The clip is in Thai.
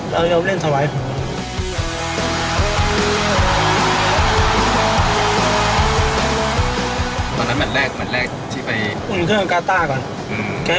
เรายอมเล่นเขาไว้